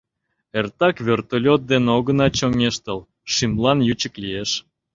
— Эртак вертолёт дене огына чоҥештыл — шӱмлан ючик лиеш.